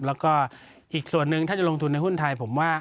แล้วก็อีกส่วนหนึ่งถ้าจะลงทุนในหุ้นไทยผมว่า